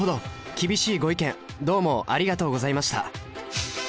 厳しいご意見どうもありがとうございました。